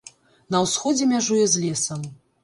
На ўсходзе мяжуе з лесам.